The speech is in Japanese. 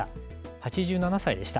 ８７歳でした。